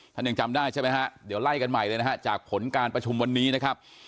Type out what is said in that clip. ยังจำได้ใช่ไหมฮะเดี๋ยวไล่กันใหม่เลยนะฮะจากผลการประชุมวันนี้นะครับ